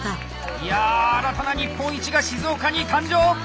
いや新たな日本一が静岡に誕生！